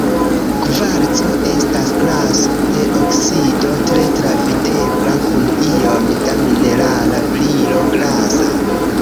Kvarco estas klaso de oksido, tre travidebla kun iom da minerala brilo grasa.